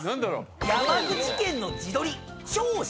山口県の地鶏長州